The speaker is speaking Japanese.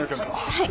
はい。